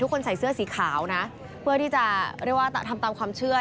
ทุกคนใส่เสื้อสีขาวนะเพื่อที่จะทำตามความเชื่อ